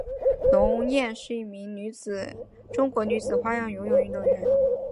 龙艳是一名中国女子花样游泳运动员。